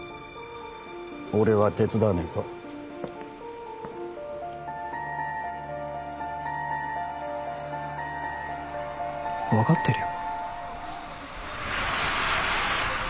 俺は手伝わねえぞ分かってるよ